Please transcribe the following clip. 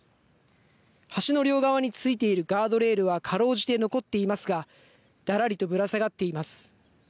橋の両側についているガードレールはかろうじて残っていますがだらりとぶら下がっています。